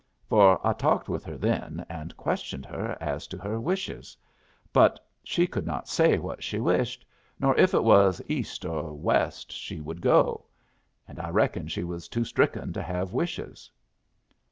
For I talked with her then, and questioned her as to her wishes, but she could not say what she wished, nor if it was East or West she would go; and I reckon she was too stricken to have wishes.